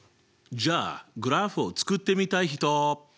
じゃあグラフを作ってみたい人？